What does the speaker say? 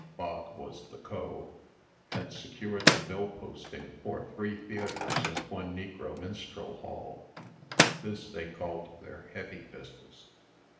(Bog was the Co.) had secured the bill posting for three theatres and one negro minstrel hall. This they called their heavy business.